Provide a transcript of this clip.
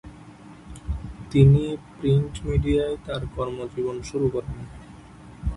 তিনি প্রিন্ট মিডিয়ায় তার কর্মজীবন শুরু করেন।